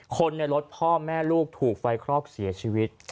คนในรถพ่อแม่ลูกถูกไฟคลอกเสียชีวิต